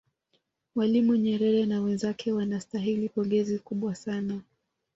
mwalimu nyerere na wenzake wanastahili pongezi kubwa sana